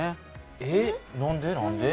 えっ何で？